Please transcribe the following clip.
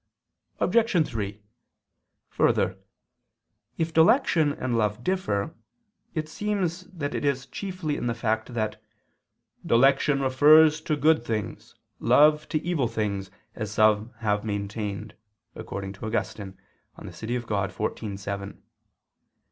Obj. 3: Further, if dilection and love differ, it seems that it is chiefly in the fact that "dilection refers to good things, love to evil things, as some have maintained," according to Augustine (De Civ. Dei xiv, 7).